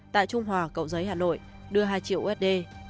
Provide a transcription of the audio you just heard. tại trung hòa cậu giới hà nội đưa hai triệu usd